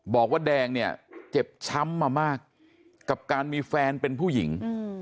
บอกว่าแดงเนี่ยเจ็บช้ำมามากกับการมีแฟนเป็นผู้หญิง